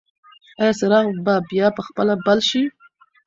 ایا څراغ به بیا په خپله بل شي؟